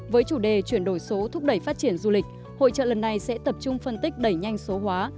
với chủ đề chuyển đổi số thúc đẩy phát triển du lịch hội trợ lần này sẽ tập trung phân tích đẩy nhanh số hóa